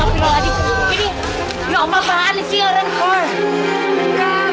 bapak saya cuci muka dulu ya pak saya bisa lewat sebentar